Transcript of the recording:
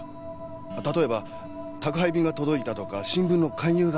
例えば宅配便が届いたとか新聞の勧誘があったとか。